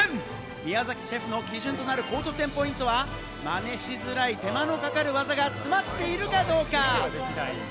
宮崎シェフの基準となる高得点ポイントはまねしづらい手間のかかる技が詰まっているかどうか。